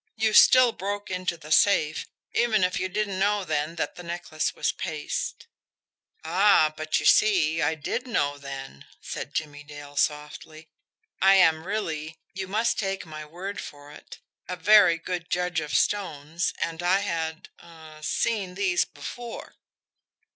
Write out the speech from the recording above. "You still broke into the safe, even if you didn't know then that the necklace was paste." "Ah, but, you see I did know then," said Jimmie Dale softly. "I am really you must take my word for it a very good judge of stones, and I had er seen these before."